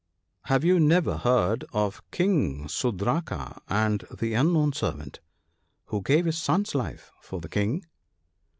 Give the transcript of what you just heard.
" Have you never heard of King Sudraka and the unknown Servant, who gave his son's life for the King